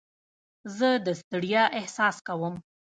زه د ستړیا احساس کوم.